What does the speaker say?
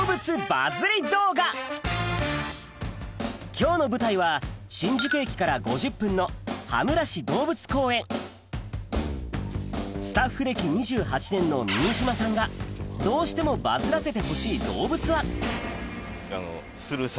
今日の舞台は新宿駅から５０分のスタッフ歴２８年の新島さんがどうしてもヤマアラシか。